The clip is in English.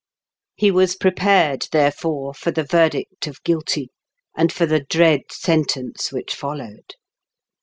He was prepared, therefore, for the verdict of "guilty," and for the dread sentence which followed.